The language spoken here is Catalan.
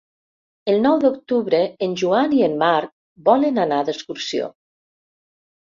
El nou d'octubre en Joan i en Marc volen anar d'excursió.